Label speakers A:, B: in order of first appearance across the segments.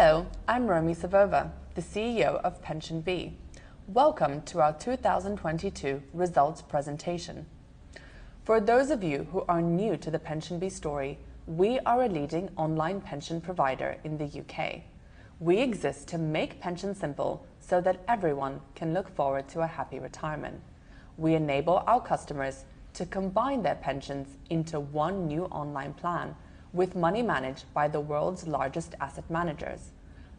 A: Hello, I'm Romi Savova, the CEO of PensionBee. Welcome to our 2022 results presentation. For those of you who are new to the PensionBee story, we are a leading online pension provider in the U.K. We exist to make pensions simple so that everyone can look forward to a happy retirement. We enable our customers to combine their pensions into one new online plan with money managed by the world's largest asset managers.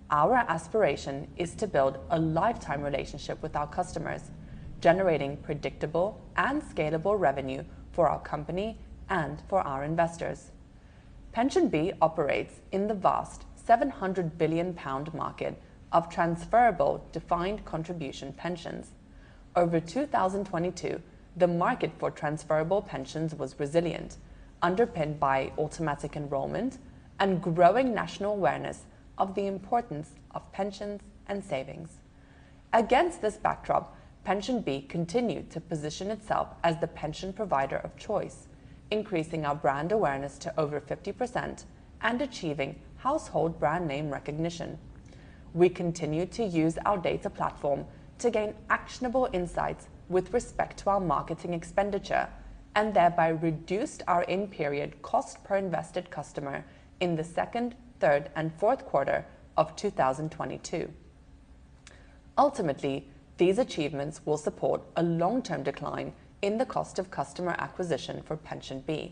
A: Our aspiration is to build a lifetime relationship with our customers, generating predictable and scalable revenue for our company and for our investors. PensionBee operates in the vast 700 billion pound market of transferable defined contribution pensions. Over 2022, the market for transferable pensions was resilient, underpinned by automatic enrollment and growing national awareness of the importance of pensions and savings. Against this backdrop, PensionBee continued to position itself as the pension provider of choice, increasing our brand awareness to over 50% and achieving household brand name recognition. We continued to use our data platform to gain actionable insights with respect to our marketing expenditure and thereby reduced our in-period cost per Invested Customers in the second, third, and fourth quarter of 2022. Ultimately, these achievements will support a long-term decline in the cost of customer acquisition for PensionBee.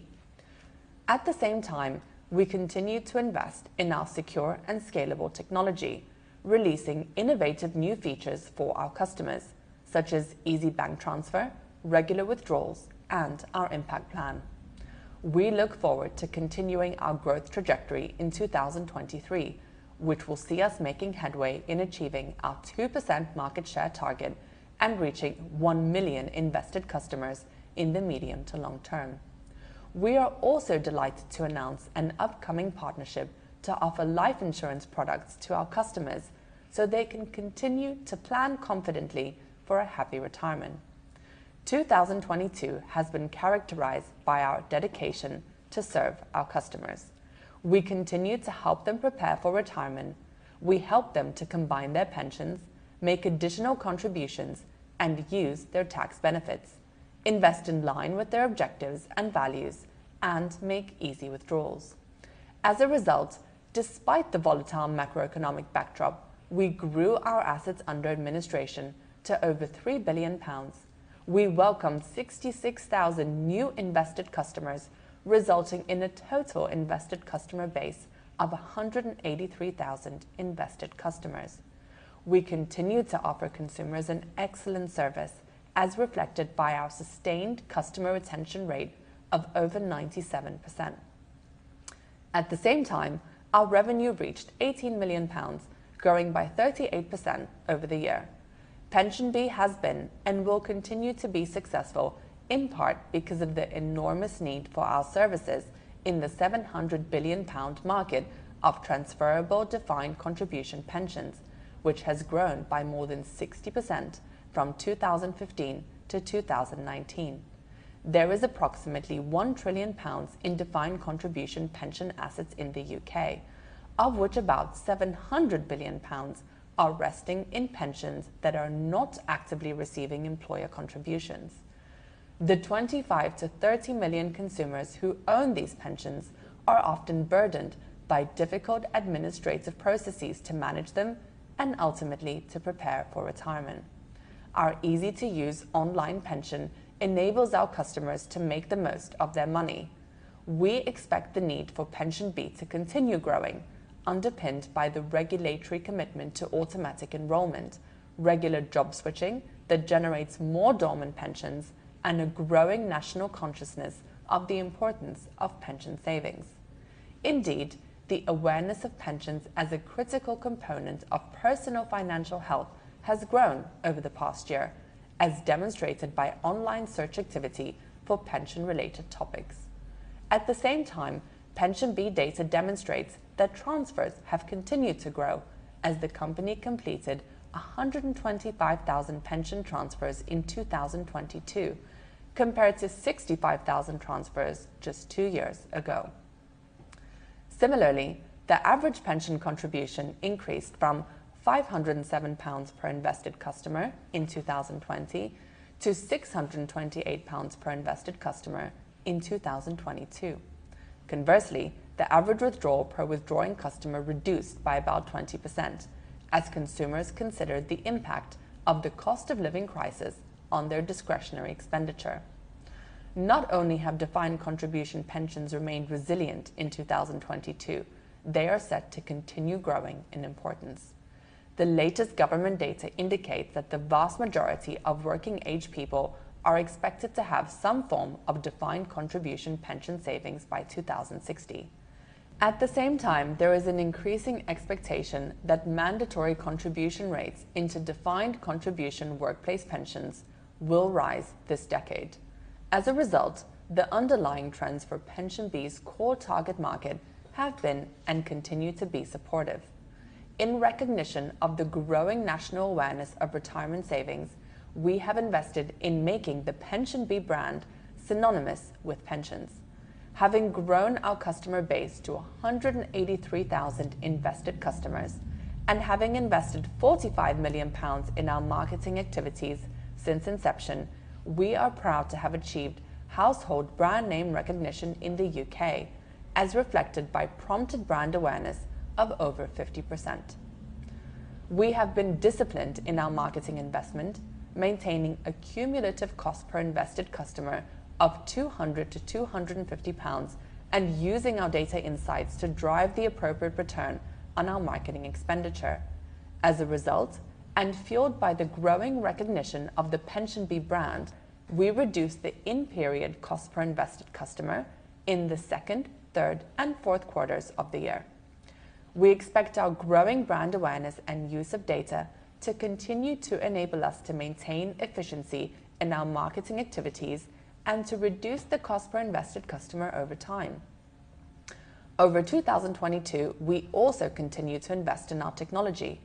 A: At the same time, we continued to invest in our secure and scalable technology, releasing innovative new features for our customers, such as easy bank transfer, regular withdrawals, and our Impact Plan. We look forward to continuing our growth trajectory in 2023, which will see us making headway in achieving our 2% market share target and reaching 1 million Invested Customers in the medium to long term. We are also delighted to announce an upcoming partnership to offer life insurance products to our customers, they can continue to plan confidently for a happy retirement. 2022 has been characterized by our dedication to serve our customers. We continued to help them prepare for retirement. We helped them to combine their pensions, make additional contributions, and use their tax benefits, invest in line with their objectives and values, and make easy withdrawals. As a result, despite the volatile macroeconomic backdrop, we grew our assets under administration to over 3 billion pounds. We welcomed 66,000 new Invested Customers, resulting in a total Invested Customer base of 183,000 Invested Customers. We continued to offer consumers an excellent service, as reflected by our sustained customer retention rate of over 97%. At the same time, our revenue reached 18 million pounds, growing by 38% over the year. PensionBee has been and will continue to be successful, in part because of the enormous need for our services in the 700 billion pound market of transferable defined contribution pensions, which has grown by more than 60% from 2015 to 2019. There is approximately 1 trillion pounds in defined contribution pension assets in the U.K., of which about 700 billion pounds are resting in pensions that are not actively receiving employer contributions. The 25 million-30 million consumers who own these pensions are often burdened by difficult administrative processes to manage them and ultimately to prepare for retirement. Our easy-to-use online pension enables our customers to make the most of their money. We expect the need for PensionBee to continue growing, underpinned by the regulatory commitment to automatic enrolment, regular job switching that generates more dormant pensions, and a growing national consciousness of the importance of pension savings. The awareness of pensions as a critical component of personal financial health has grown over the past year, as demonstrated by online search activity for pension-related topics. At the same time, PensionBee data demonstrates that transfers have continued to grow as the company completed 125,000 pension transfers in 2022 compared to 65,000 transfers just two years ago. Similarly, the average pension contribution increased from GBP 507 per Invested Customer in 2020 to 628 pounds per Invested Customer in 2022. Conversely, the average withdrawal per withdrawing customer reduced by about 20% as consumers considered the impact of the cost of living crisis on their discretionary expenditure. Not only have defined contribution pensions remained resilient in 2022, they are set to continue growing in importance. The latest government data indicates that the vast majority of working age people are expected to have some form of defined contribution pension savings by 2060. At the same time, there is an increasing expectation that mandatory contribution rates into defined contribution workplace pensions will rise this decade. As a result, the underlying trends for PensionBee's core target market have been and continue to be supportive. In recognition of the growing national awareness of retirement savings, we have invested in making the PensionBee brand synonymous with pensions. Having grown our customer base to 183,000 Invested Customers and having invested 45 million pounds in our marketing activities since inception, we are proud to have achieved household brand name recognition in the U.K. as reflected by prompted brand awareness of over 50%. We have been disciplined in our marketing investment, maintaining a cumulative cost per Invested Customer of 200-250 pounds and using our data insights to drive the appropriate return on our marketing expenditure. As a result, and fueled by the growing recognition of the PensionBee brand, we reduced the in-period cost per Invested Customer in the second, third, and fourth quarters of the year. We expect our growing brand awareness and use of data to continue to enable us to maintain efficiency in our marketing activities and to reduce the cost per Invested Customers over time. Over 2022, we also continued to invest in our technology.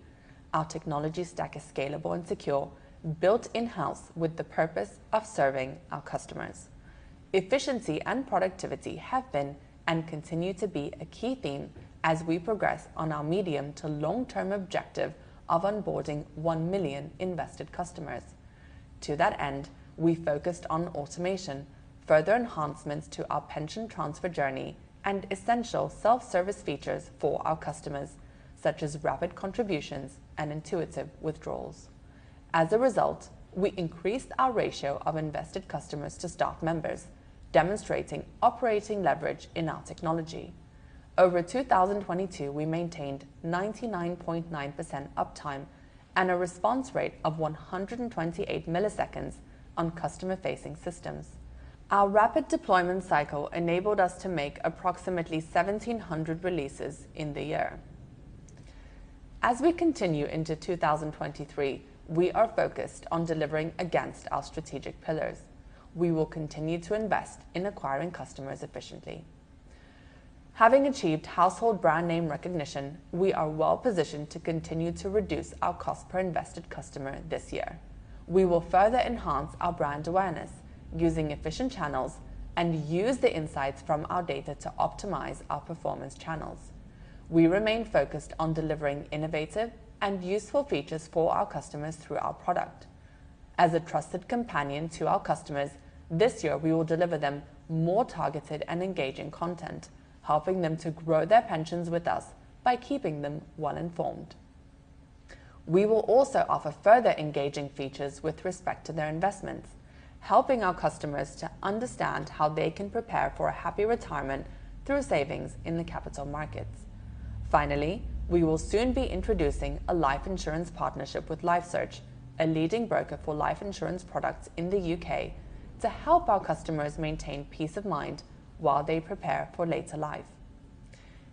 A: Our technology stack is scalable and secure, built in-house with the purpose of serving our customers. Efficiency and productivity have been and continue to be a key theme as we progress on our medium to long-term objective of onboarding 1 million Invested Customers. To that end, we focused on automation, further enhancements to our pension transfer journey, and essential self-service features for our customers, such as rapid contributions and intuitive withdrawals. As a result, we increased our ratio of Invested Customers to staff members, demonstrating operating leverage in our technology. Over 2022, we maintained 99.9% uptime and a response rate of 128 milliseconds on customer-facing systems. Our rapid deployment cycle enabled us to make approximately 1,700 releases in the year. As we continue into 2023, we are focused on delivering against our strategic pillars. We will continue to invest in acquiring customers efficiently. Having achieved household brand name recognition, we are well positioned to continue to reduce our cost per Invested Customer this year. We will further enhance our brand awareness using efficient channels and use the insights from our data to optimize our performance channels. We remain focused on delivering innovative and useful features for our customers through our product. As a trusted companion to our customers, this year we will deliver them more targeted and engaging content, helping them to grow their pensions with us by keeping them well informed. We will also offer further engaging features with respect to their investments, helping our customers to understand how they can prepare for a happy retirement through savings in the capital markets. Finally, we will soon be introducing a life insurance partnership with LifeSearch, a leading broker for life insurance products in the U.K., to help our customers maintain peace of mind while they prepare for later life.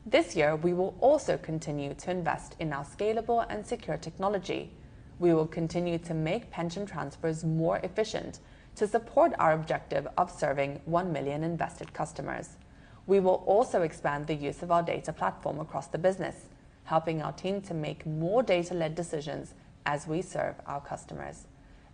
A: This year, we will also continue to invest in our scalable and secure technology. We will continue to make pension transfers more efficient to support our objective of serving 1 million Invested Customers. We will also expand the use of our data platform across the business, helping our team to make more data-led decisions as we serve our customers.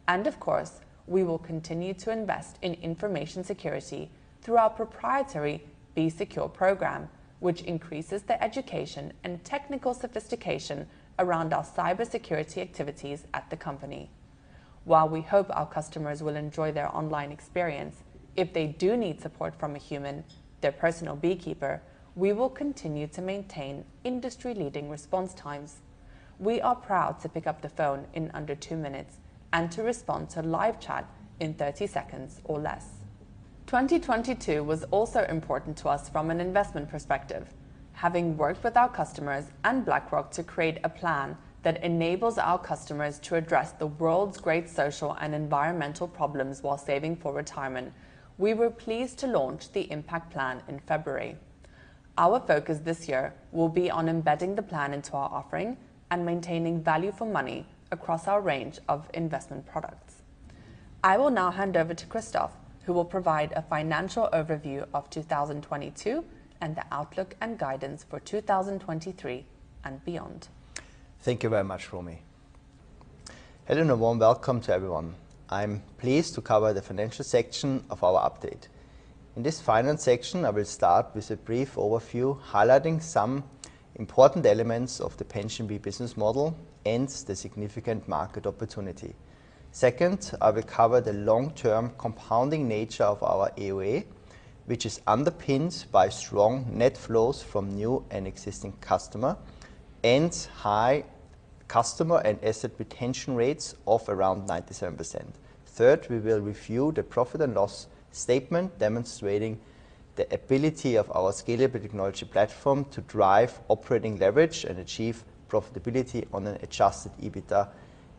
A: Of course, we will continue to invest in information security through our proprietary BeeSecure program, which increases the education and technical sophistication around our cybersecurity activities at the company. While we hope our customers will enjoy their online experience, if they do need support from a human, their personal BeeKeeper, we will continue to maintain industry leading response times. We are proud to pick up the phone in under two minutes and to respond to live chat in 30 seconds or less. 2022 was also important to us from an investment perspective. Having worked with our customers and BlackRock to create a plan that enables our customers to address the world's great social and environmental problems while saving for retirement, we were pleased to launch the Impact Plan in February. Our focus this year will be on embedding the plan into our offering and maintaining value for money across our range of investment products. I will now hand over to Christoph, who will provide a financial overview of 2022 and the outlook and guidance for 2023 and beyond.
B: Thank you very much, Romi. Hello and a warm welcome to everyone. I'm pleased to cover the financial section of our update. In this finance section, I will start with a brief overview highlighting some important elements of the PensionBee business model and the significant market opportunity. Second, I will cover the long-term compounding nature of our AUA, which is underpinned by strong net flows from new and existing customer and high customer and asset retention rates of around 97%. Third, we will review the profit and loss statement, demonstrating the ability of our scalable technology platform to drive operating leverage and achieve profitability on an Adjusted EBITDA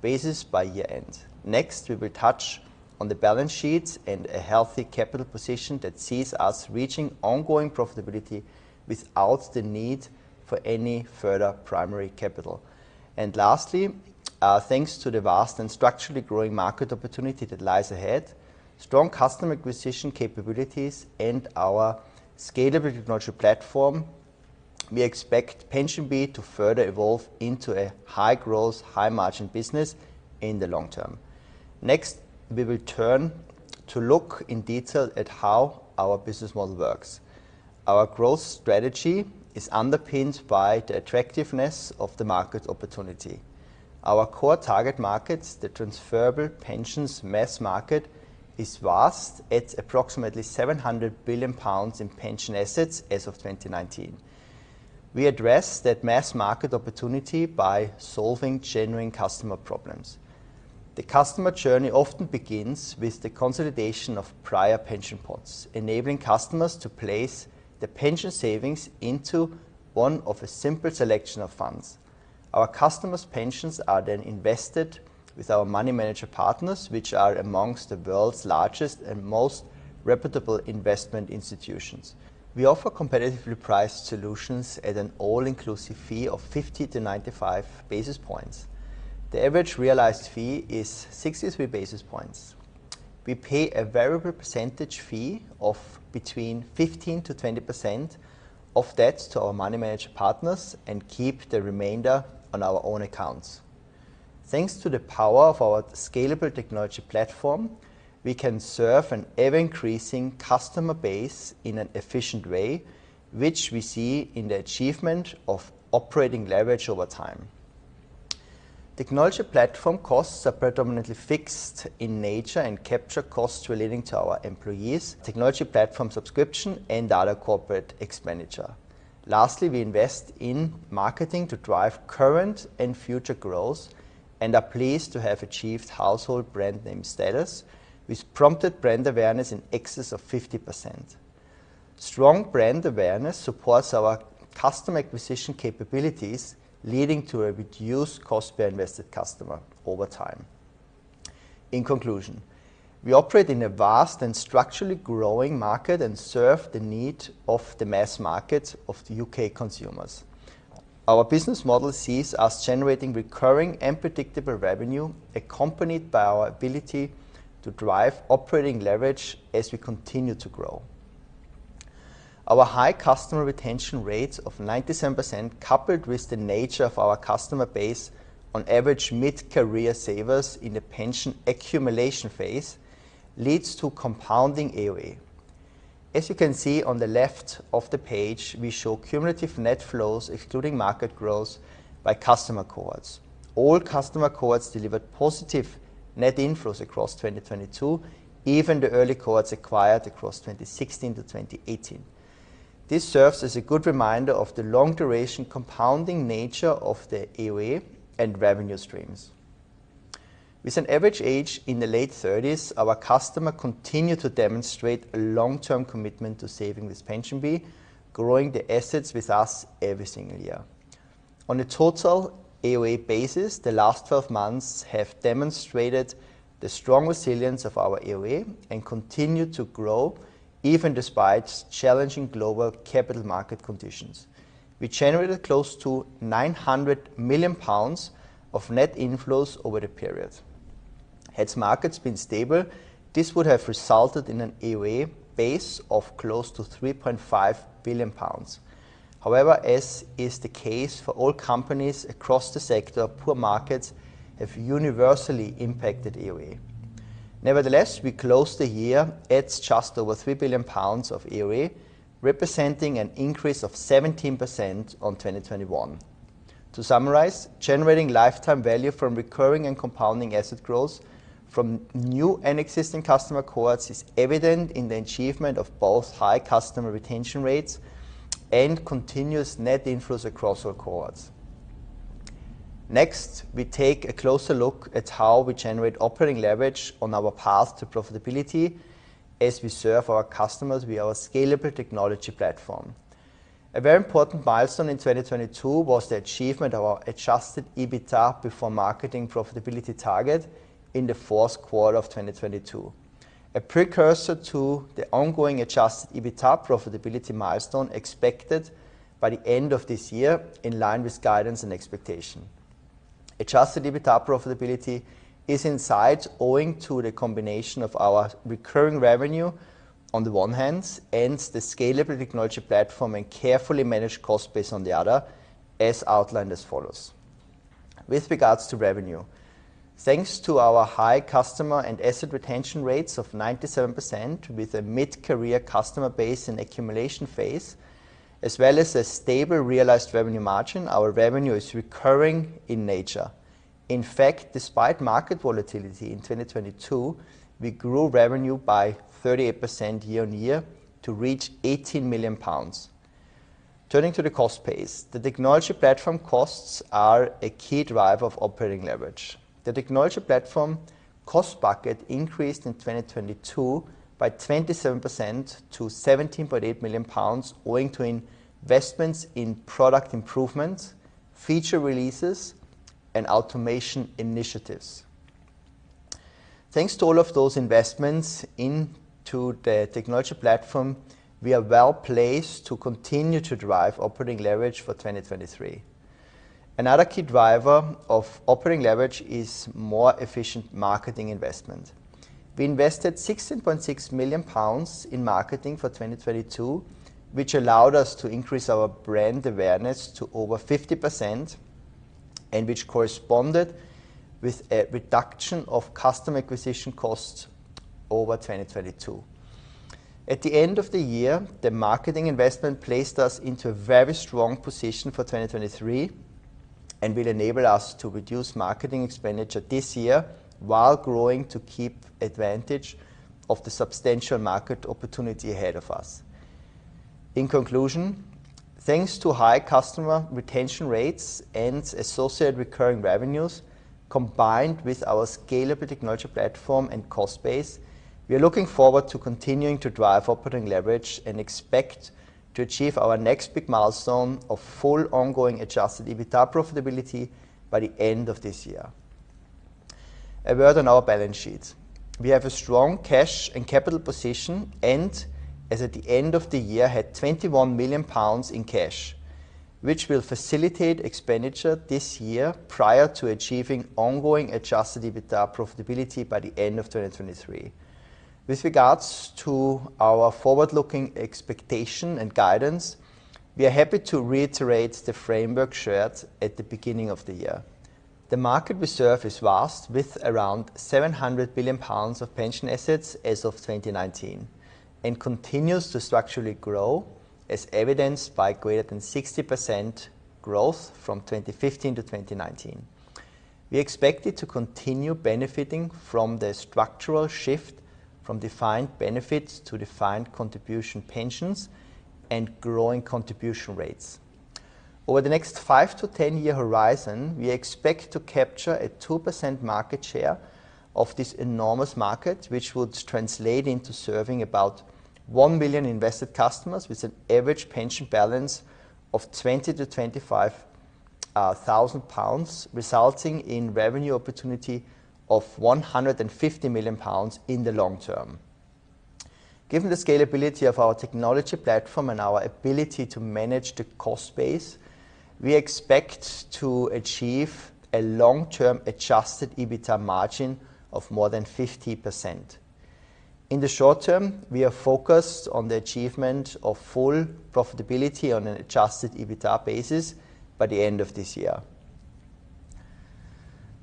B: basis by year-end. Next, we will touch on the balance sheet and a healthy capital position that sees us reaching ongoing profitability without the need for any further primary capital. Lastly, thanks to the vast and structurally growing market opportunity that lies ahead, strong customer acquisition capabilities and our scalable technology platform. We expect PensionBee to further evolve into a high-growth, high-margin business in the long term. Next, we will turn to look in detail at how our business model works. Our growth strategy is underpinned by the attractiveness of the market opportunity. Our core target markets, the transferable pensions mass market, is vast, at approximately 700 billion pounds in pension assets as of 2019. We address that mass market opportunity by solving genuine customer problems. The customer journey often begins with the consolidation of prior pension pots, enabling customers to place their pension savings into one of a simple selection of funds. Our customers' pensions are then invested with our money manager partners, which are amongst the world's largest and most reputable investment institutions. We offer competitively priced solutions at an all-inclusive fee of 50-95 basis points. The average realized fee is 63 basis points. We pay a variable percentage fee of between 15%-20% of that to our money manager partners and keep the remainder on our own accounts. Thanks to the power of our scalable technology platform, we can serve an ever-increasing customer base in an efficient way, which we see in the achievement of operating leverage over time. Technology platform costs are predominantly fixed in nature and capture costs relating to our employees, technology platform subscription, and other corporate expenditure. Lastly, we invest in marketing to drive current and future growth and are pleased to have achieved household brand name status, with prompted brand awareness in excess of 50%. Strong brand awareness supports our customer acquisition capabilities, leading to a reduced cost per Invested Customer over time. In conclusion, we operate in a vast and structurally growing market and serve the need of the mass market of the U.K. consumers. Our business model sees us generating recurring and predictable revenue, accompanied by our ability to drive operating leverage as we continue to grow. Our high customer retention rates of 97%, coupled with the nature of our customer base on average mid-career savers in the pension accumulation phase, leads to compounding AUA. As you can see on the left of the page, we show cumulative net flows, excluding market growth, by customer cohorts. All customer cohorts delivered positive net inflows across 2022, even the early cohorts acquired across 2016-2018. This serves as a good reminder of the long-duration compounding nature of the AUA and revenue streams. With an average age in the late thirties, our customers continue to demonstrate a long-term commitment to saving with PensionBee, growing their assets with us every single year. On a total AUA basis, the last 12 months have demonstrated the strong resilience of our AUA and continue to grow, even despite challenging global capital market conditions. We generated close to 900 million pounds of net inflows over the period. Had markets been stable, this would have resulted in an AUA base of close to 3.5 billion pounds. As is the case for all companies across the sector, poor markets have universally impacted AUA. We closed the year at just over 3 billion pounds of AUA, representing an increase of 17% on 2021. To summarize, generating lifetime value from recurring and compounding asset growth from new and existing customer cohorts is evident in the achievement of both high customer retention rates and continuous net inflows across all cohorts. We take a closer look at how we generate operating leverage on our path to profitability as we serve our customers via our scalable technology platform. A very important milestone in 2022 was the achievement of our Adjusted EBITDA before marketing profitability target in the fourth quarter of 2022, a precursor to the ongoing Adjusted EBITDA profitability milestone expected by the end of this year in line with guidance and expectation. Adjusted EBITDA profitability is in sight owing to the combination of our recurring revenue on the one hand and the scalable technology platform and carefully managed cost base on the other, as outlined as follows. With regards to revenue, thanks to our high customer and asset retention rates of 97% with a mid-career customer base and accumulation phase, as well as a stable realized revenue margin, our revenue is recurring in nature. In fact, despite market volatility in 2022, we grew revenue by 38% year on year to reach 18 million pounds. Turning to the cost base, the technology platform costs are a key driver of operating leverage. The technology platform cost bucket increased in 2022 by 27% to 17.8 million pounds owing to investments in product improvements, feature releases, and automation initiatives. Thanks to all of those investments into the technology platform, we are well placed to continue to drive operating leverage for 2023. Another key driver of operating leverage is more efficient marketing investment. We invested 16.6 million pounds in marketing for 2022, which allowed us to increase our brand awareness to over 50% and which corresponded with a reduction of customer acquisition costs over 2022. At the end of the year, the marketing investment placed us into a very strong position for 2023 and will enable us to reduce marketing expenditure this year while growing to keep advantage of the substantial market opportunity ahead of us. In conclusion, thanks to high customer retention rates and associated recurring revenues, combined with our scalable technology platform and cost base, we are looking forward to continuing to drive operating leverage and expect to achieve our next big milestone of full ongoing Adjusted EBITDA profitability by the end of this year. A word on our balance sheet. We have a strong cash and capital position, and as at the end of the year, had 21 million pounds in cash, which will facilitate expenditure this year prior to achieving ongoing Adjusted EBITDA profitability by the end of 2023. With regards to our forward-looking expectation and guidance, we are happy to reiterate the framework shared at the beginning of the year. The market we serve is vast, with around 700 billion pounds of pension assets as of 2019, and continues to structurally grow as evidenced by greater than 60% growth from 2015 to 2019. We expect it to continue benefiting from the structural shift from defined benefits to defined contribution pensions and growing contribution rates. Over the next five to 10-year horizon, we expect to capture a 2% market share of this enormous market, which would translate into serving about 1 billion Invested Customers with an average pension balance of 20,000-25,000 pounds, resulting in revenue opportunity of 150 million pounds in the long term. Given the scalability of our technology platform and our ability to manage the cost base, we expect to achieve a long-term Adjusted EBITDA margin of more than 50%. In the short term, we are focused on the achievement of full profitability on an Adjusted EBITDA basis by the end of this year.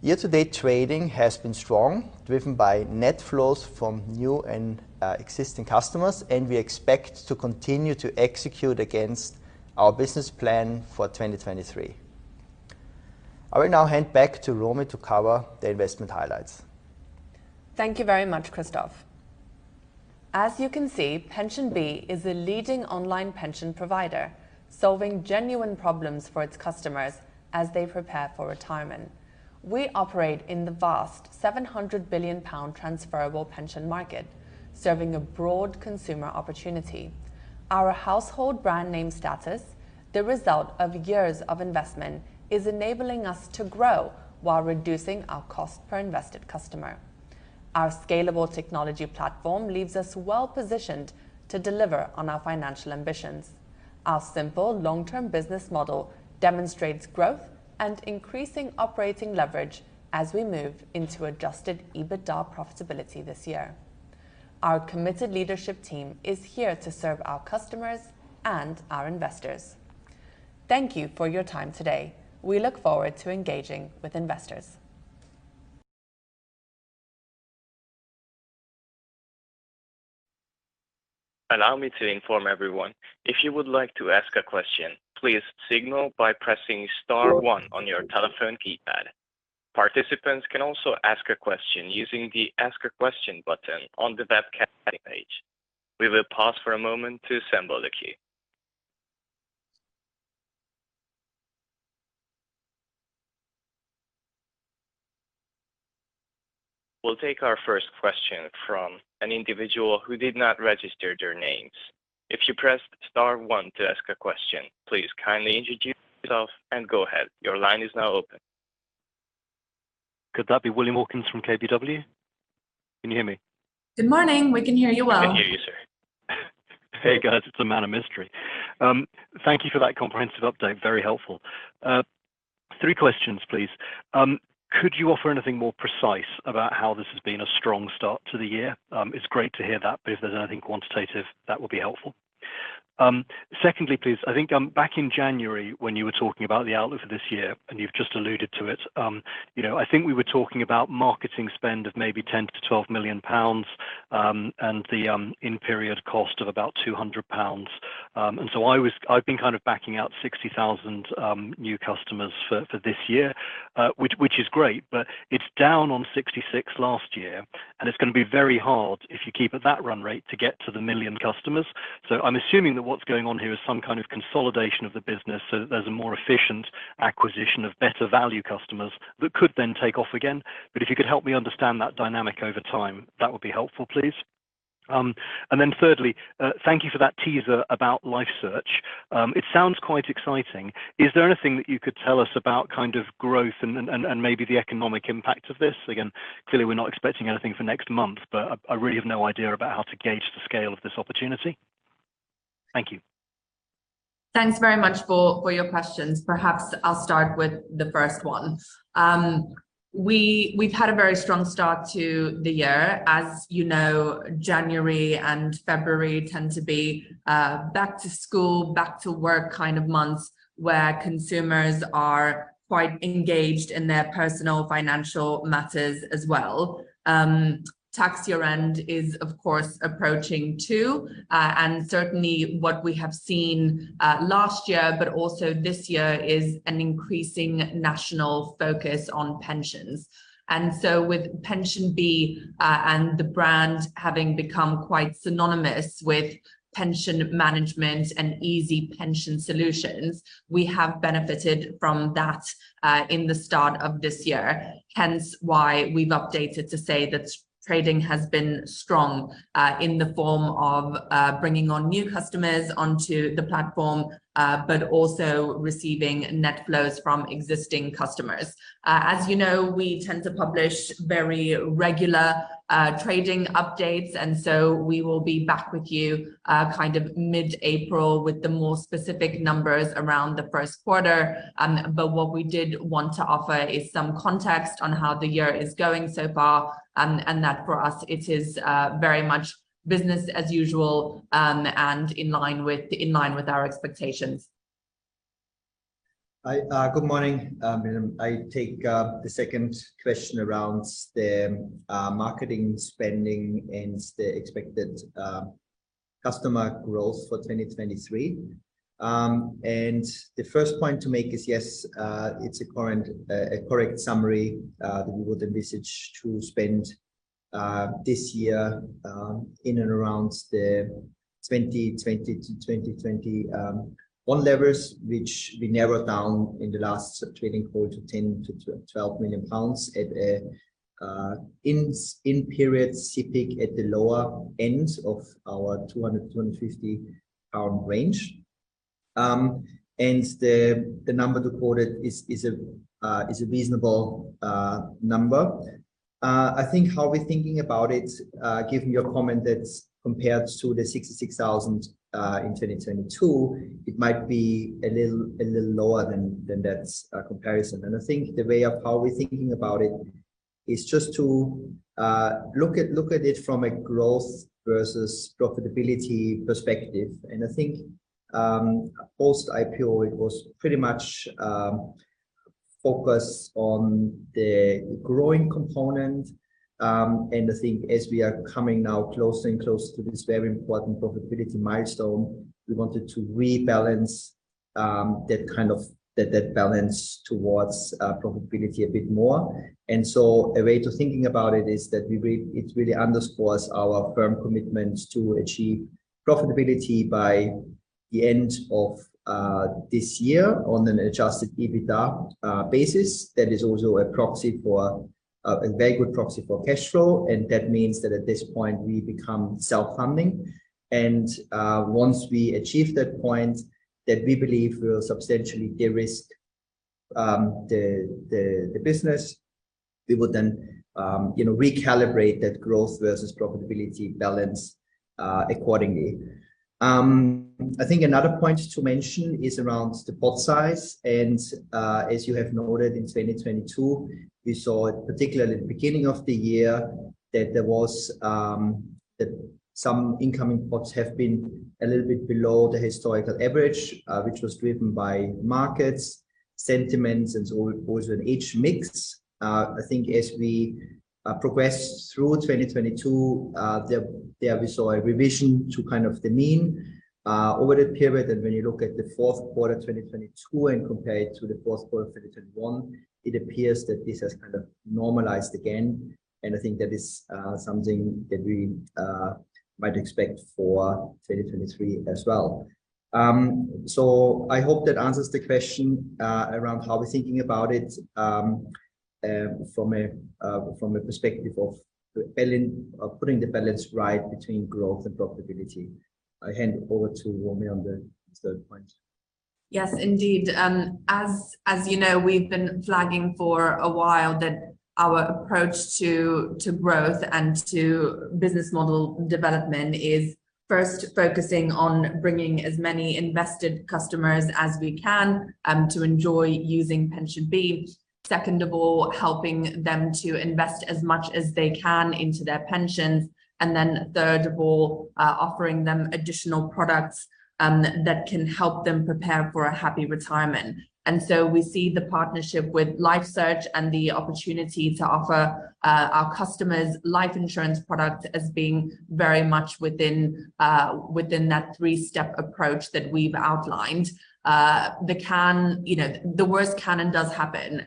B: Year-to-date trading has been strong, driven by net flows from new and existing customers. We expect to continue to execute against our business plan for 2023. I will now hand back to Romi to cover the investment highlights.
A: Thank you very much, Christoph. As you can see, PensionBee is a leading online pension provider, solving genuine problems for its customers as they prepare for retirement. We operate in the vast 700 billion pound transferable pension market, serving a broad consumer opportunity. Our household brand name status, the result of years of investment, is enabling us to grow while reducing our cost per Invested customer. Our scalable technology platform leaves us well-positioned to deliver on our financial ambitions. Our simple long-term business model demonstrates growth and increasing operating leverage as we move into Adjusted EBITDA profitability this year. Our committed leadership team is here to serve our customers and our investors. Thank you for your time today. We look forward to engaging with investors.
C: Allow me to inform everyone. If you would like to ask a question, please signal by pressing star one on your telephone keypad. Participants can also ask a question using the Ask a Question button on the webcast page. We will pause for a moment to assemble the queue. We will take our first question from an individual who did not register their names. If you pressed star one to ask a question, please kindly introduce yourself and go ahead. Your line is now open.
D: Could that be William Hawkins from KBW? Can you hear me?
A: Good morning. We can hear you well.
C: We can hear you, sir.
D: Hey, guys. It's the man of mystery. Thank you for that comprehensive update. Very helpful. Three questions, please. Could you offer anything more precise about how this has been a strong start to the year? It's great to hear that, but if there's anything quantitative, that would be helpful. Secondly, please, I think, back in January when you were talking about the outlook for this year, and you've just alluded to it, you know, I think we were talking about marketing spend of maybe 10 million-12 million pounds, and the, in period cost of about 200 pounds. I've been kind of backing out 60,000 new customers for this year, which is great, but it's down on 66 last year, and it's gonna be very hard, if you keep at that run rate, to get to the million customers. I'm assuming that what's going on here is some kind of consolidation of the business, so there's a more efficient acquisition of better value customers that could then take off again. If you could help me understand that dynamic over time, that would be helpful, please. Thirdly, thank you for that teaser about LifeSearch. It sounds quite exciting. Is there anything that you could tell us about kind of growth and maybe the economic impact of this? Clearly, we're not expecting anything for next month, but I really have no idea about how to gauge the scale of this opportunity. Thank you.
A: Thanks very much for your questions. Perhaps I'll start with the first one. We've had a very strong start to the year. As you know, January and February tend to be back to school, back to work kind of months, where consumers are quite engaged in their personal financial matters as well. Tax year-end is, of course, approaching too. Certainly what we have seen last year but also this year is an increasing national focus on pensions. With PensionBee and the brand having become quite synonymous with pension management and easy pension solutions, we have benefited from that in the start of this year, hence why we've updated to say that trading has been strong in the form of bringing on new customers onto the platform, but also receiving net flows from existing customers. As you know, we tend to publish very regular trading updates. We will be back with you kind of mid-April with the more specific numbers around the first quarter. What we did want to offer is some context on how the year is going so far, and that for us it is very much business as usual, and in line with, in line with our expectations.
B: Good morning. I take the second question around the marketing spending and the expected customer growth for 2023. The first point to make is, yes, it's a correct summary that we would envisage to spend this year in and around the 2020 to 2021 levels, which we narrowed down in the last trading quarter 10 million-12 million pounds at a in period CPIC at the lower end of our 200-250 pound range. The number reported is a reasonable number. I think how we're thinking about it, given your comment that compared to the 66,000 in 2022, it might be a little lower than that comparison. I think the way of how we're thinking about it is just to look at it from a growth versus profitability perspective. I think, post-IPO, it was pretty much focus on the growing component. I think as we are coming now closer and closer to this very important profitability milestone, we wanted to rebalance that balance towards profitability a bit more. A way to thinking about it is that it really underscores our firm commitment to achieve profitability by the end of this year on an Adjusted EBITDA basis. That is also a proxy for a very good proxy for cash flow. That means that at this point we become self-funding. once we achieve that point, that we believe will substantially de-risk the business. We will then, you know, recalibrate that growth versus profitability balance accordingly. I think another point to mention is around the pot size. as you have noted in 2022, we saw it particularly at the beginning of the year that there was that some incoming pots have been a little bit below the historical average, which was driven by markets, sentiments and so on, also in each mix. I think as we progress through 2022, there we saw a revision to kind of the mean over the period. When you look at the fourth quarter 2022 and compare it to the fourth quarter 2021, it appears that this has kind of normalized again. I think that is something that we might expect for 2023 as well. I hope that answers the question around how we're thinking about it, from a perspective of putting the balance right between growth and profitability. I hand over to Romi on the third point.
A: Yes, indeed. As you know, we've been flagging for a while that our approach to growth and to business model development is first focusing on bringing as many Invested Customers as we can to enjoy using PensionBee. Second of all, helping them to invest as much as they can into their pensions. Then third of all, offering them additional products that can help them prepare for a happy retirement. We see the partnership with LifeSearch and the opportunity to offer our customers life insurance product as being very much within that three-step approach that we've outlined. You know, the worst can and does happen.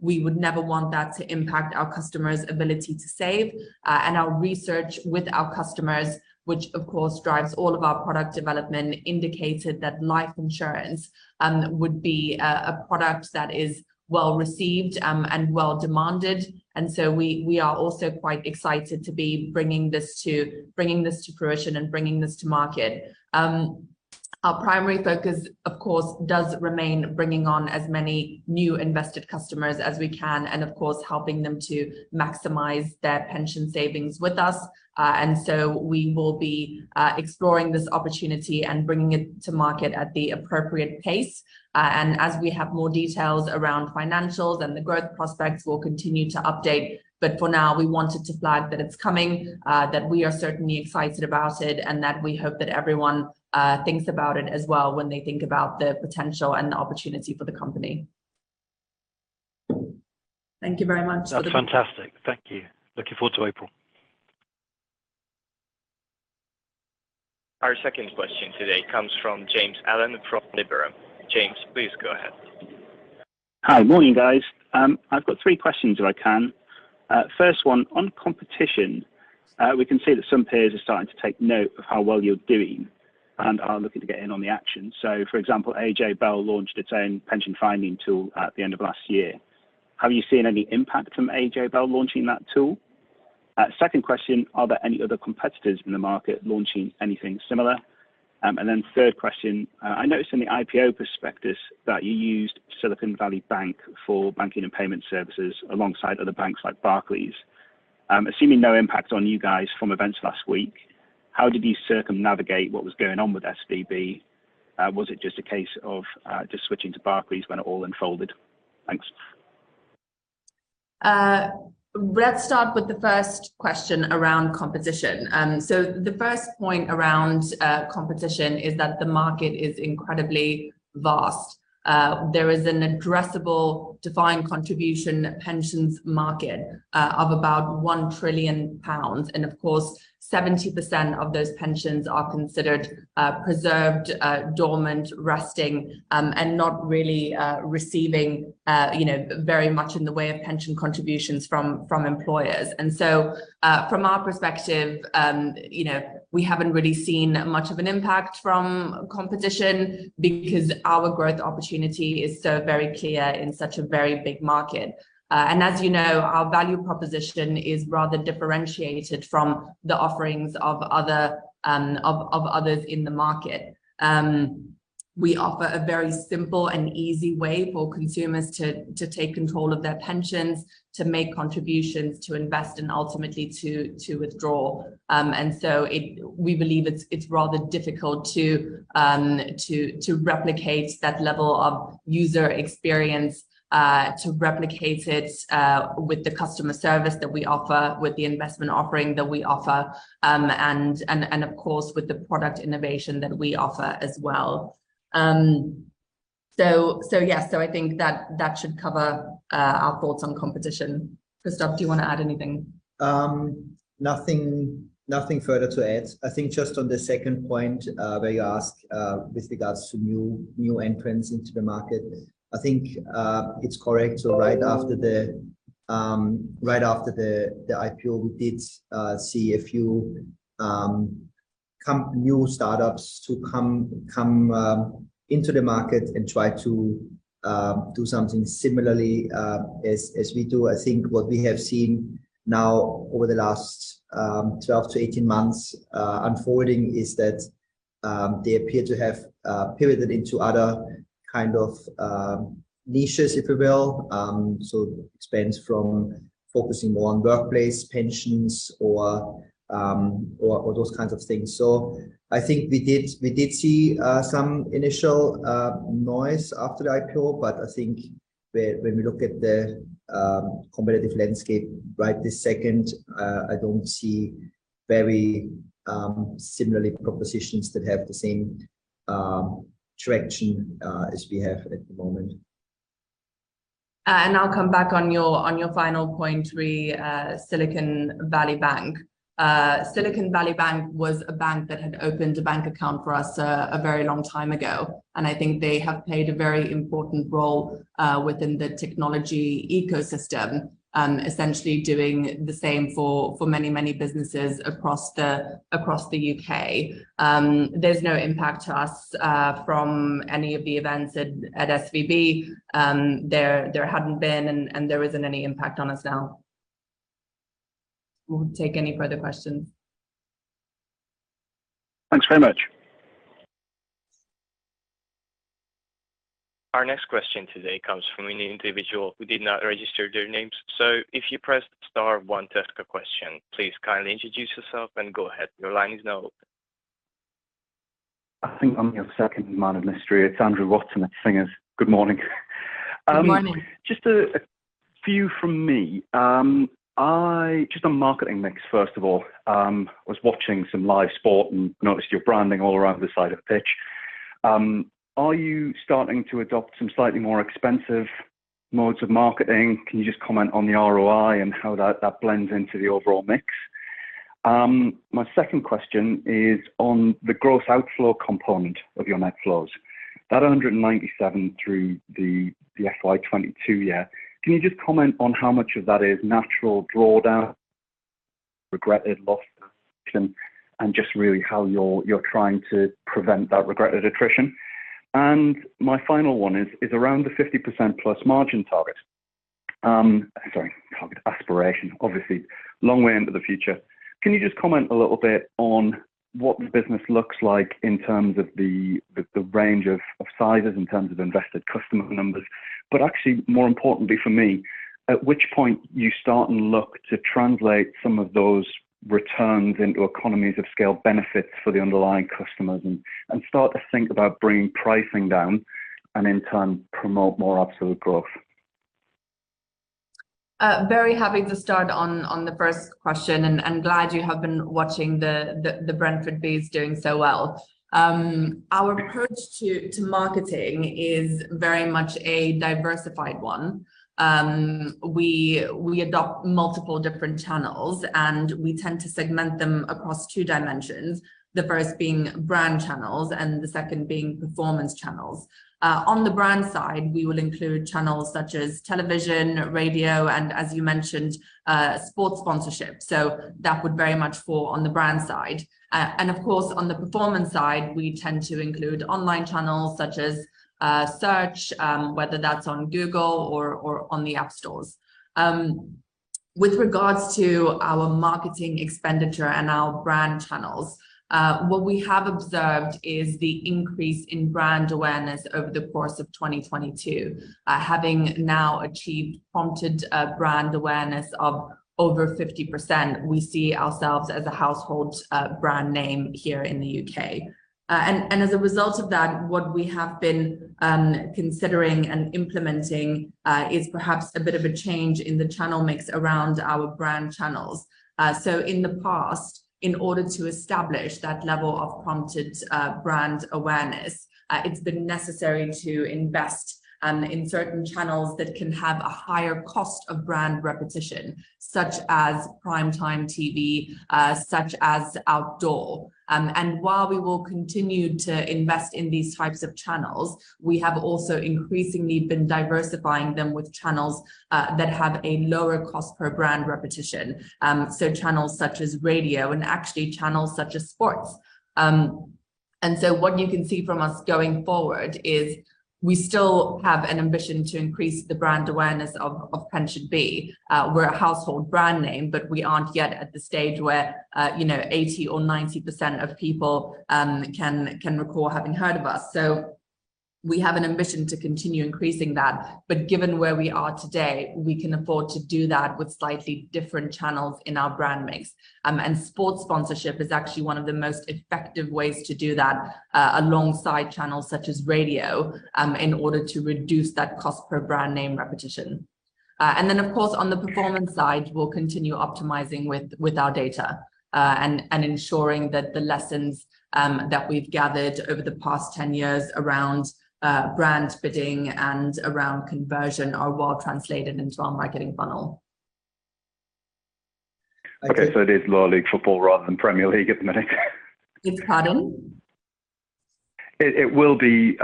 A: We would never want that to impact our customers' ability to save. Our research with our customers, which of course drives all of our product development, indicated that life insurance would be a product that is well received and well demanded. We are also quite excited to be bringing this to fruition and bringing this to market. Our primary focus, of course, does remain bringing on as many new Invested Customers as we can and of course helping them to maximize their pension savings with us. We will be exploring this opportunity and bringing it to market at the appropriate pace. As we have more details around financials and the growth prospects, we'll continue to update. For now, we wanted to flag that it's coming, that we are certainly excited about it and that we hope that everyone thinks about it as well when they think about the potential and the opportunity for the company. Thank you very much.
D: That's fantastic. Thank you. Looking forward to April.
C: Our second question today comes from James Allen from Liberum. James, please go ahead.
E: Hi. Morning, guys. I've got three questions if I can. First one, on competition, we can see that some peers are starting to take note of how well you're doing and are looking to get in on the action. For example, AJ Bell launched its own pension finding tool at the end of last year. Have you seen any impact from AJ Bell launching that tool? Second question, are there any other competitors in the market launching anything similar? Third question. I noticed in the IPO prospectus that you used Silicon Valley Bank for banking and payment services alongside other banks like Barclays. Assuming no impact on you guys from events last week, how did you circumnavigate what was going on with SVB? Was it just a case of just switching to Barclays when it all unfolded? Thanks.
A: Let's start with the first question around competition. The first point around competition is that the market is incredibly vast. There is an addressable defined contribution pensions market of about 1 trillion pounds. Of course, 70% of those pensions are considered preserved, dormant, resting, and not really receiving, you know, very much in the way of pension contributions from employers. From our perspective, you know, we haven't really seen much of an impact from competition because our growth opportunity is so very clear in such a very big market. As you know, our value proposition is rather differentiated from the offerings of other, of others in the market. We offer a very simple and easy way for consumers to take control of their pensions, to make contributions, to invest and ultimately to withdraw. We believe it's rather difficult to replicate that level of user experience, to replicate it with the customer service that we offer, with the investment offering that we offer, and of course with the product innovation that we offer as well. Yes. I think that should cover our thoughts on competition. Christoph, do you want to add anything?
B: Nothing further to add. I think just on the second point, where you ask with regards to new entrants into the market, I think it's correct. Right after the right after the IPO, we did see a few new startups to come into the market and try to do something similarly as we do. I think what we have seen now over the last 12-18 months unfolding is that they appear to have pivoted into other kind of niches, if you will. Expands from focusing more on workplace pensions or those kinds of things. I think we did see, some initial noise after the IPO, but I think when we look at the competitive landscape right this second, I don't see very similarly propositions that have the same traction as we have at the moment.
A: I'll come back on your, on your final point re, Silicon Valley Bank. Silicon Valley Bank was a bank that had opened a bank account for us a very long time ago, and I think they have played a very important role within the technology ecosystem, essentially doing the same for many, many businesses across the U.K. There's no impact to us from any of the events at SVB. There hadn't been and there isn't any impact on us now. We'll take any further questions.
E: Thanks very much.
C: Our next question today comes from an individual who did not register their name. If you pressed star one to ask a question, please kindly introduce yourself and go ahead. Your line is now open.
F: I think I'm your second man of mystery. It's Andrew Watson at Singers. Good morning.
A: Good morning.
F: Just a few from me. Just on marketing mix first of all. Was watching some live sport and noticed your branding all around the side of pitch. Are you starting to adopt some slightly more expensive modes of marketing? Can you just comment on the ROI and how that blends into the overall mix? My second question is on the gross outflow component of your net flows. That 197 through the FY 2022 year, can you just comment on how much of that is natural drawdown, regretted lost direction, and just really how you're trying to prevent that regretted attrition? My final one is around the 50%+ margin target. Sorry, call it aspiration, obviously long way into the future. Can you just comment a little bit on what the business looks like in terms of the range of sizes, in terms of Invested Customer numbers, but actually more importantly for me, at which point you start and look to translate some of those returns into economies of scale benefits for the underlying customers and start to think about bringing pricing down and in turn promote more absolute growth?
A: Very happy to start on the first question and glad you have been watching the Brentford Bees doing so well. Our approach to marketing is very much a diversified one. We adopt multiple different channels, and we tend to segment them across two dimensions, the first being brand channels and the second being performance channels. On the brand side, we will include channels such as television, radio, and as you mentioned, sports sponsorship. That would very much fall on the brand side. Of course, on the performance side, we tend to include online channels such as search, whether that's on Google or on the app stores. With regards to our marketing expenditure and our brand channels, what we have observed is the increase in brand awareness over the course of 2022. Having now achieved prompted brand awareness of over 50%, we see ourselves as a household brand name here in the U.K. As a result of that, what we have been considering and implementing is perhaps a bit of a change in the channel mix around our brand channels. In the past, in order to establish that level of prompted brand awareness, it's been necessary to invest in certain channels that can have a higher cost of brand repetition, such as primetime TV, such as outdoor. While we will continue to invest in these types of channels, we have also increasingly been diversifying them with channels that have a lower cost per brand repetition. Channels such as radio and actually channels such as sports. What you can see from us going forward is we still have an ambition to increase the brand awareness of PensionBee. We're a household brand name, we aren't yet at the stage where, you know, 80% or 90% of people can recall having heard of us. We have an ambition to continue increasing that. Given where we are today, we can afford to do that with slightly different channels in our brand mix. Sports sponsorship is actually one of the most effective ways to do that, alongside channels such as radio, in order to reduce that cost per brand name repetition. Then of course, on the performance side, we'll continue optimizing with our data, and ensuring that the lessons that we've gathered over the past 10 years around brand bidding and around conversion are well translated into our marketing funnel.
F: Okay. It is lower league football rather than Premier League at the minute.
A: Yes. Pardon?
F: It will be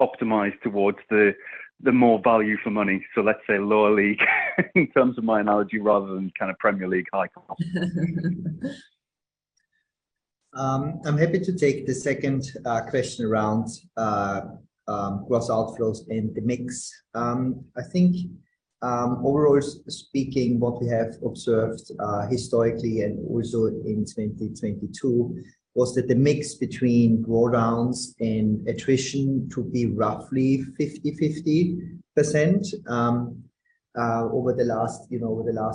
F: optimized towards the more value for money. Let's say lower league in terms of my analogy rather than kind of Premier League high cost.
B: I'm happy to take the second question around gross outflows and the mix. I think overall speaking, what we have observed historically and also in 2022 was that the mix between drawdowns and attrition to be roughly 50/50%, over the last, you know,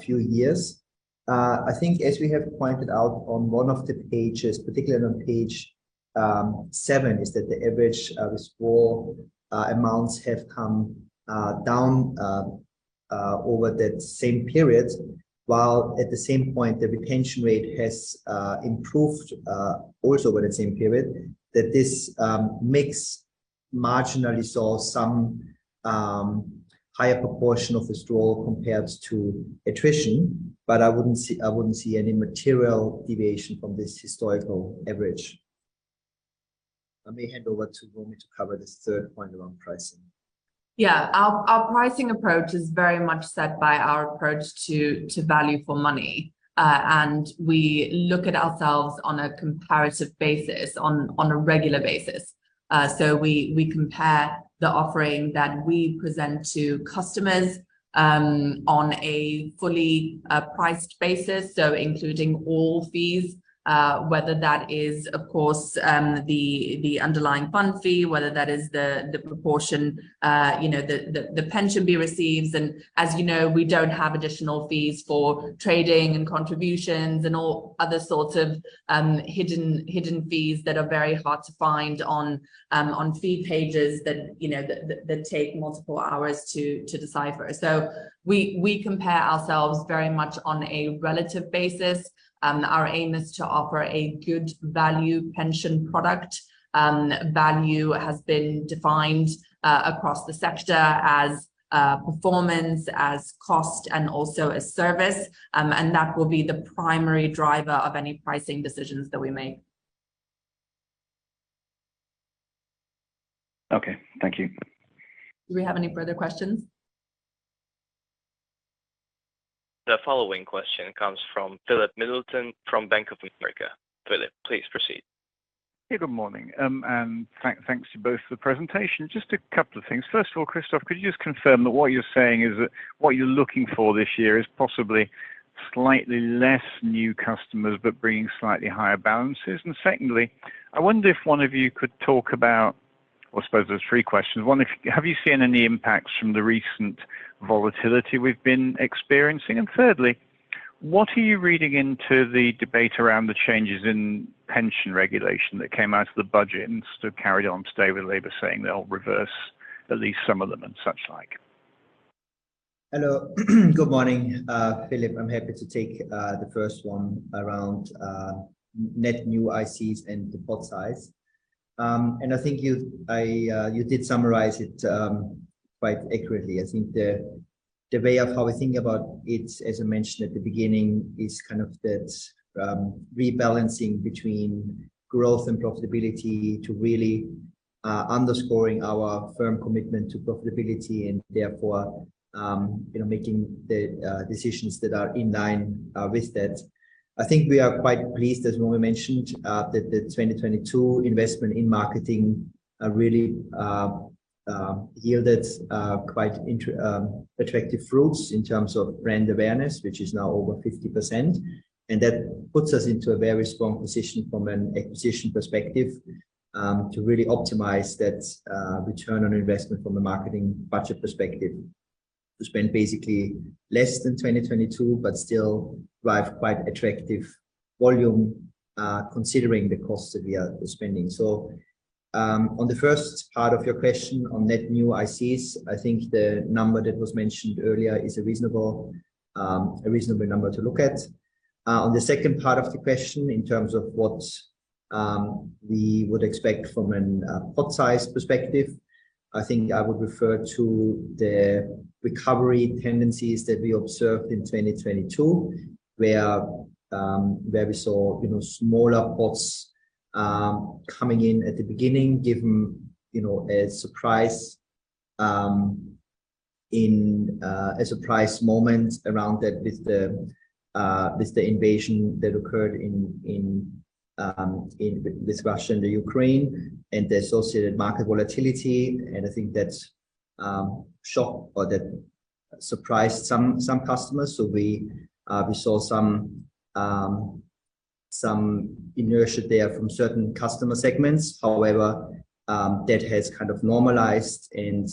B: few years. I think as we have pointed out on one of the pages, particularly on page seven, is that the average withdrawal amounts have come down over that same period, while at the same point the retention rate has improved also over that same period. This mix marginally saw some higher proportion of withdrawal compared to attrition. I wouldn't see any material deviation from this historical average. Let me hand over to Romi to cover this third point around pricing.
A: Our pricing approach is very much set by our approach to value for money. We look at ourselves on a comparative basis on a regular basis. We compare the offering that we present to customers on a fully priced basis, so including all fees, whether that is of course, the underlying fund fee, whether that is the proportion, you know, the PensionBee receives. As you know, we don't have additional fees for trading and contributions and all other sorts of hidden fees that are very hard to find on fee pages that, you know, that take multiple hours to decipher. We compare ourselves very much on a relative basis. Our aim is to offer a good value pension product. Value has been defined across the sector as performance, as cost and also as service. That will be the primary driver of any pricing decisions that we make.
F: Okay. Thank you.
A: Do we have any further questions?
C: The following question comes from Philip Middleton from Bank of America. Philip, please proceed.
G: Hey, good morning. Thanks to both for the presentation. Just a couple of things. First of all, Christoph, could you just confirm that what you're saying is that what you're looking for this year is possibly slightly less new customers, but bringing slightly higher balances? Secondly, I wonder if one of you could talk about... I suppose there's three questions. One, have you seen any impacts from the recent volatility we've been experiencing? Thirdly, what are you reading into the debate around the changes in pension regulation that came out of the budget and sort of carried on today with Labour saying they'll reverse at least some of them and such like?
B: Hello. Good morning, Philip. I'm happy to take the first one around net new ICs and the pot size. I think you did summarize it quite accurately. I think the way of how we think about it, as I mentioned at the beginning, is kind of that rebalancing between growth and profitability to really underscoring our firm commitment to profitability and therefore, you know, making the decisions that are in line with that. I think we are quite pleased, as Romy mentioned, that the 2022 investment in marketing really yielded quite attractive fruits in terms of brand awareness, which is now over 50%. That puts us into a very strong position from an acquisition perspective, to really optimize that ROI from a marketing budget perspective. To spend basically less than 2022, but still drive quite attractive volume, considering the costs that we are spending. On the first part of your question on net new ICs, I think the number that was mentioned earlier is a reasonable, a reasonable number to look at. On the second part of the question in terms of what we would expect from a pot size perspective, I think I would refer to the recovery tendencies that we observed in 2022, where we saw, you know, smaller pots coming in at the beginning, given, you know, a surprise in a surprise moment around that with the invasion that occurred in with Russia and Ukraine and the associated market volatility. I think that shocked or that surprised some customers. We saw some inertia there from certain customer segments. That has kind of normalized and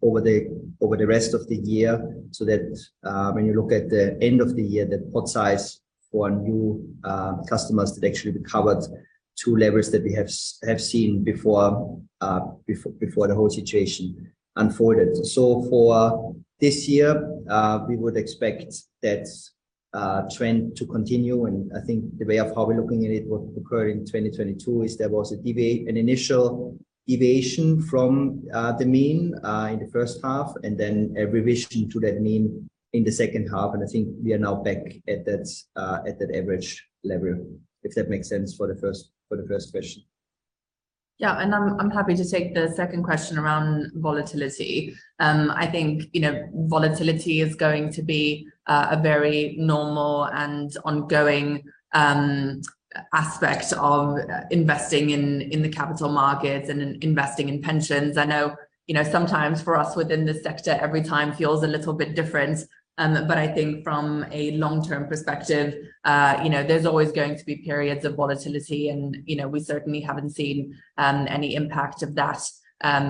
B: over the rest of the year, so that when you look at the end of the year, the pot size for new customers that actually recovered to levels that we have seen before the whole situation unfolded. For this year, we would expect that trend to continue. I think the way of how we're looking at it, what occurred in 2022 is there was an initial deviation from the mean in the first half and then a revision to that mean in the second half. I think we are now back at that average level, if that makes sense for the first question.
A: Yeah. I'm happy to take the second question around volatility. I think, you know, volatility is going to be a very normal and ongoing aspect of investing in the capital markets and in investing in pensions. I know, you know, sometimes for us within this sector, every time feels a little bit different. I think from a long-term perspective, you know, there's always going to be periods of volatility and, you know, we certainly haven't seen any impact of that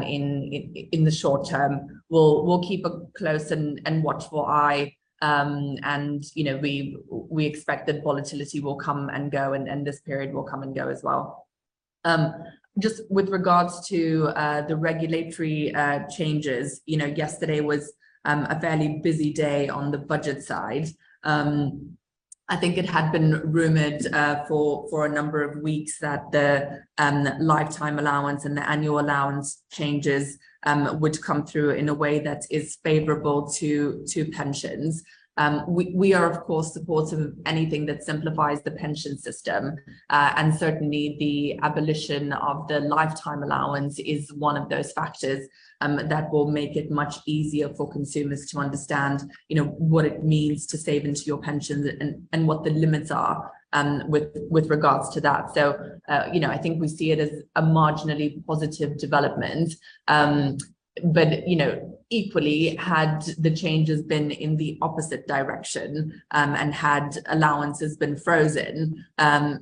A: in the short term. We'll keep a close and watchful eye. You know, we expect that volatility will come and go, and this period will come and go as well. Just with regards to the regulatory changes, you know, yesterday was a fairly busy day on the budget side. I think it had been rumored for a number of weeks that the lifetime allowance and the annual allowance changes would come through in a way that is favorable to pensions. We are of course supportive of anything that simplifies the pension system. Certainly the abolition of the lifetime allowance is one of those factors that will make it much easier for consumers to understand, you know, what it means to save into your pensions and what the limits are with regards to that. You know, I think we see it as a marginally positive development. You know, equally, had the changes been in the opposite direction, and had allowances been frozen,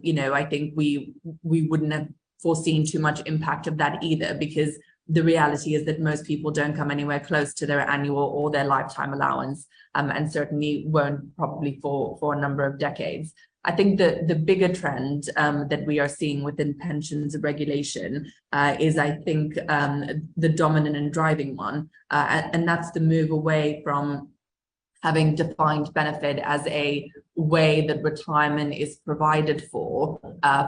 A: you know, I think we wouldn't have foreseen too much impact of that either, because the reality is that most people don't come anywhere close to their annual or their lifetime allowance, and certainly won't probably for a number of decades. I think the bigger trend that we are seeing within pensions regulation is I think the dominant and driving one. That's the move away from having defined benefit as a way that retirement is provided for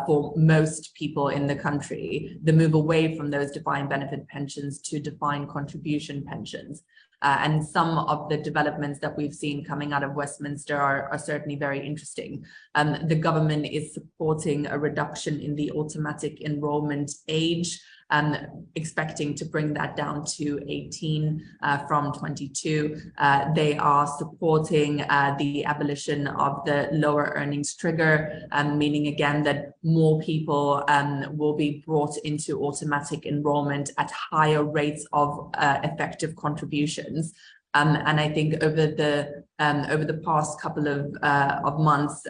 A: for most people in the country. The move away from those defined benefit pensions to defined contribution pensions. Some of the developments that we've seen coming out of Westminster are certainly very interesting. The government is supporting a reduction in the automatic enrolment age, expecting to bring that down to 18 from 22. They are supporting the abolition of the lower earnings trigger, meaning again that more people will be brought into automatic enrolment at higher rates of effective contributions. I think over the past couple of months,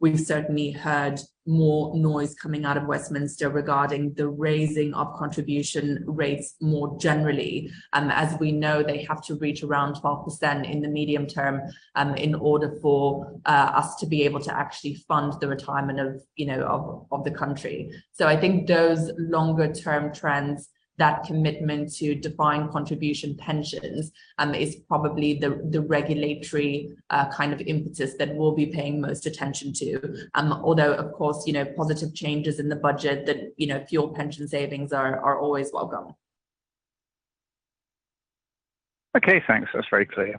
A: we've certainly heard more noise coming out of Westminster regarding the raising of contribution rates more generally. As we know, they have to reach around 12% in the medium term, in order for us to be able to actually fund the retirement of, you know, of the country. I think those longer term trends, that commitment to defined contribution pensions, is probably the regulatory, kind of impetus that we'll be paying most attention to. Although of course, you know, positive changes in the budget that, you know, fuel pension savings are always welcome.
G: Okay, thanks. That's very clear.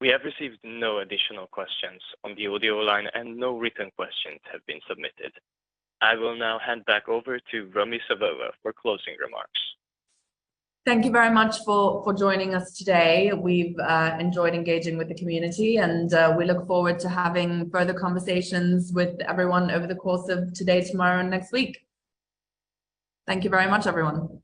C: We have received no additional questions on the audio line, and no written questions have been submitted. I will now hand back over to Romi Savova for closing remarks.
A: Thank you very much for joining us today. We've enjoyed engaging with the community, and we look forward to having further conversations with everyone over the course of today, tomorrow, and next week. Thank you very much, everyone.